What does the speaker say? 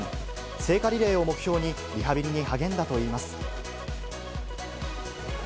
聖火リレーを目標に、リハビリに励んだといいます。